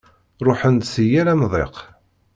Ṛuḥen-d si yal amḍiq.